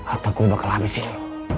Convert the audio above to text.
atau gue bakal habisin lo